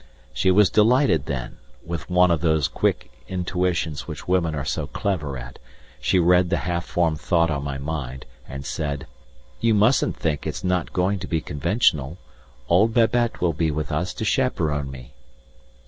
She was delighted, then, with one of those quick intuitions which women are so clever at, she read the half formed thought in my mind, and said: "You mustn't think it's not going to be conventional; old Babette will be with us to chaperon me."